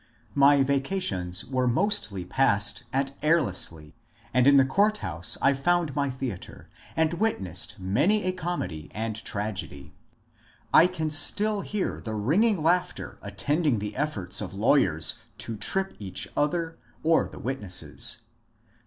My vacations were mostly passed at ^^ Erleslie," and in the court house I found my theatre, and witnessed many a comedy and tragedy. I can still hear the ringing laughter attending the efforts of lawyers to trip each other, or the witnesses.